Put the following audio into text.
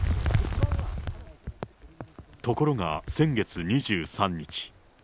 ところが先月２３日。